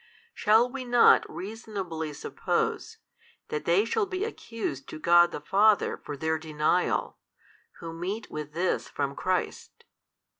shall we not reasonably suppose, that they shall be accused to God the Father for their denial, who meet with this from Christ?